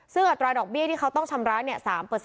ซึ่งอัตราดอกเบี้ยที่เขาต้องชำระ๓